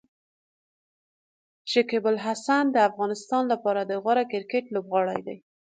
شکيب الحسن د افغانستان لپاره د غوره کرکټ لوبغاړی دی.